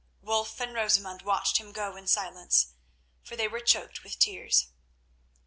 Wulf and Rosamund watched him go in silence, for they were choked with tears.